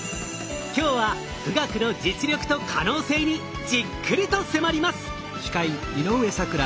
今日は富岳の実力と可能性にじっくりと迫ります。